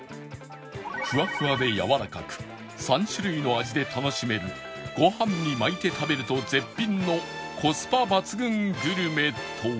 ふわふわでやわらかく３種類の味で楽しめるご飯に巻いて食べると絶品のコスパ抜群グルメとは？